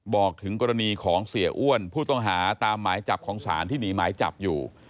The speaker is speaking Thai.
บอกถึงกรณีของเสียอ้วนผู้ต้องหาตามหมายจับของศาลที่หนีหมายจับอยู่